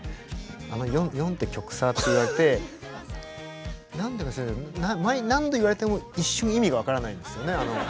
「あの『４』って曲さ」って言われて何でか知らないけど何度言われても一瞬意味が分からないんですよね。